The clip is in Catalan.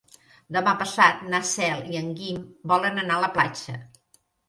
Demà passat na Cel i en Guim volen anar a la platja.